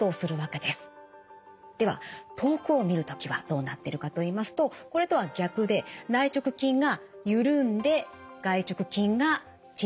では遠くを見る時はどうなっているかといいますとこれとは逆で内直筋がゆるんで外直筋が縮みます。